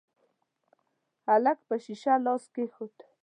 هلک پر شيشه لاس کېښود.